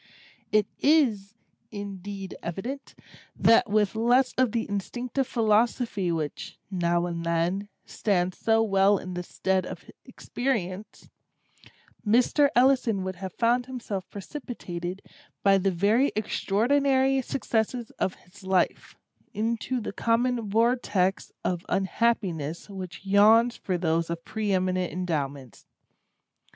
It is, indeed evident, that with less of the instinctive philosophy which, now and then, stands so well in the stead of experience, Mr. Ellison would have found himself precipitated, by the very extraordinary successes of his life, into the common vortex of Unhappiness which yawns for those of preeminent endowments.